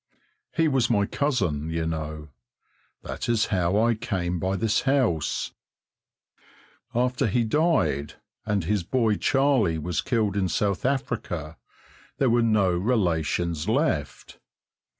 He was my cousin, you know; that is how I came by this house; after he died, and his boy Charley was killed in South Africa, there were no relations left.